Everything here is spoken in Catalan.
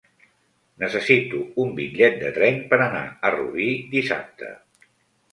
Necessito un bitllet de tren per anar a Rubí dissabte.